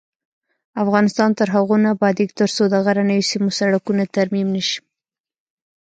افغانستان تر هغو نه ابادیږي، ترڅو د غرنیو سیمو سړکونه ترمیم نشي.